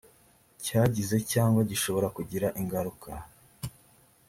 cyagize cyangwa gishobora kugira ingaruka